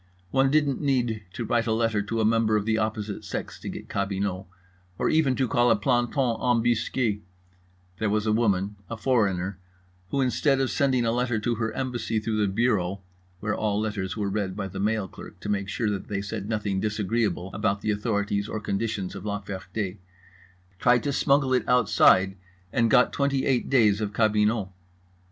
One didn't need to write a letter to a member of the opposite sex to get cabinot, or even to call a planton embusqué—there was a woman, a foreigner, who, instead of sending a letter to her embassy through the bureau (where all letters were read by the mail clerk to make sure that they said nothing disagreeable about the authorities or conditions of La Ferté) tried to smuggle it outside, and got twenty eight days of cabinot.